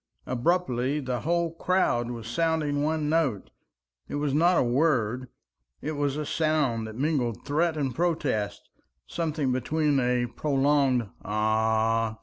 Abruptly the whole crowd was sounding one note. It was not a word, it was a sound that mingled threat and protest, something between a prolonged "Ah!"